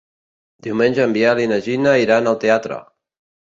Diumenge en Biel i na Gina iran al teatre.